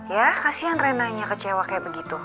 ya kasihan reina nya kecewa kayak begitu